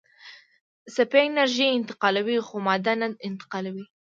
څپې انرژي انتقالوي خو ماده نه انتقالوي.